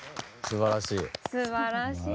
すばらしい。